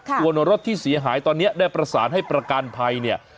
ส่วนรถที่เสียหายตอนนี้ได้ประสานให้ประกันภัยเนี่ย